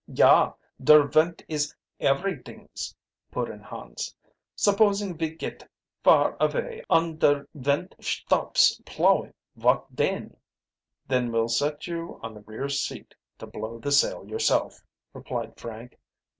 "Yah, der vint is eferydings," put in Hans. "Supposin' ve git far avay und der vint sthops plowing, vot den?" "Then we'll set you on the rear seat to blow the sail yourself," replied Frank.